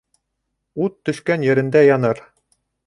Ут төшкән ерендә яныр.